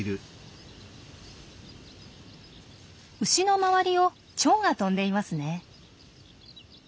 牛の周りをチョウが飛んでいますね。